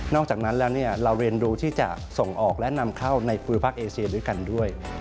อกจากนั้นแล้วเราเรียนรู้ที่จะส่งออกและนำเข้าในภูมิภาคเอเซียด้วยกันด้วย